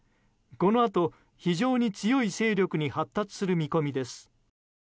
このあと非常に強い勢力に発達する見込みです。